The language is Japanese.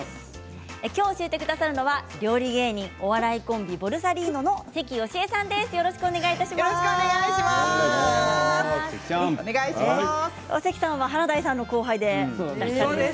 きょう教えてくださるのは料理芸人お笑いコンビ、ボルサリーノのよろしくお願いします。